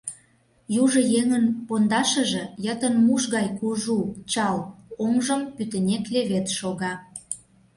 Южо еҥын пондашыже йытын муш гай кужу, чал, оҥжым пӱтынек левед шога.